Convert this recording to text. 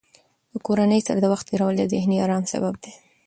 د کورنۍ سره د وخت تېرول د ذهني ارام سبب دی.